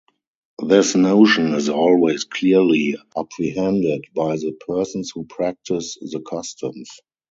This notion is always clearly apprehended by the persons who practice the customs.